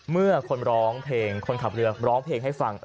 เมื่อคนร้องเพลงคนขับเรือร้องเพลงให้ฟัง